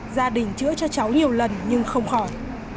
gia đình chữa cho cháu nhiều lần nhưng không khỏi